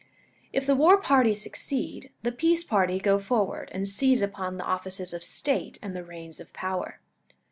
If the war party succeed, the peace party go forward and seize upon the offices of state and the reins of power.